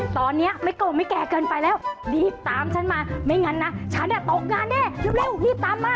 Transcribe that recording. ตอนนี้ไม่โกงไม่แก่เกินไปแล้วรีบตามฉันมาไม่งั้นนะฉันอ่ะตกงานแน่เร็วรีบตามมา